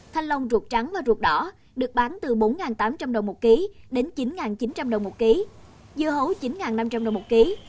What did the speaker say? thanh long ruột trắng và ruột đỏ được bán từ bốn tám trăm linh đồng một ký đến chín chín trăm linh đồng một ký dưa hấu chín năm trăm linh đồng một ký